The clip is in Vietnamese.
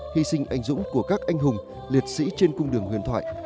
hy sinh anh dũng của các anh hùng liệt sĩ trên cung đường huyền thoại